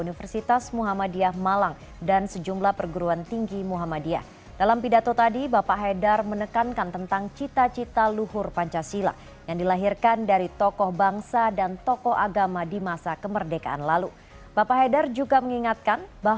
nasruminallah wapat mungkorib